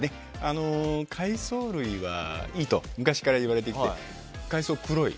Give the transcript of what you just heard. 海藻類はいいと昔から言われてきて海藻は黒い。